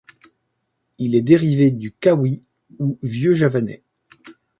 Il est dérivé du kawi ou vieux-javanais.